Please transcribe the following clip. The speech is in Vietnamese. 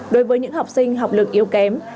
đối với những học sinh học lực yếu kém